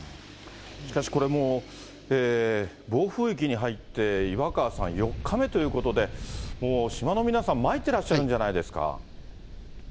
しかしこれもう、暴風域に入って、岩川さん、４日目ということで、もう島の皆さん、まいってらっしゃるんじゃないですか？